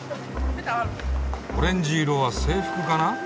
オレンジ色は制服かな？